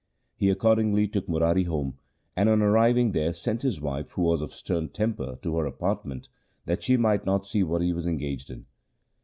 He accordingly took Murari home, and on arriving there sent his wife, who was of stern temper, to her apartment, that she might not see what he was engaged in.